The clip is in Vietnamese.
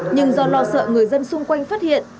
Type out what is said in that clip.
nhưng do lo sợ người dân xung quanh phát hiện